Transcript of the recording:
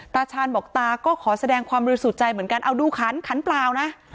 ตาชาญบอกตาก็ขอแสดงความบริสุทธิ์ใจเหมือนกันเอาดูขันขันเปล่านะ